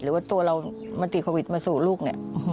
หรือว่าตัวเรามาติดโควิดมาสู่ลูกเนี่ย